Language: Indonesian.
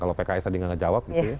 kalau pks tadi nggak jawab